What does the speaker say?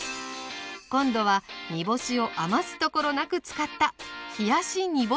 今度は煮干しを余すところなく使った冷やし煮干しうどんです。